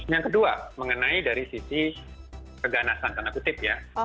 yang kedua mengenai dari sisi keganasan tanda kutip ya